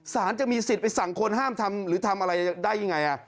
สารจะมีสิทธิ์ไปสั่งคนห้ามทำหรือทำอะไรได้ยังไง